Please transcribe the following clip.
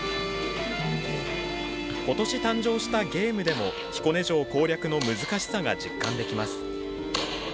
ことし誕生したゲームでも彦根城攻略の難しさが実感できます。